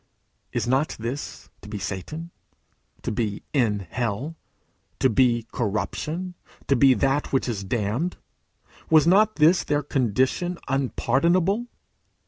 Is not this to be Satan? to be in hell? to be corruption? to be that which is damned? Was not this their condition unpardonable?